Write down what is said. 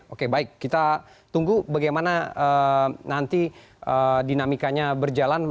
oke baik kita tunggu bagaimana nanti dinamikanya berjalan